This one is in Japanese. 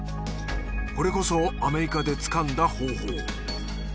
これこそアメリカでつかんだ方法。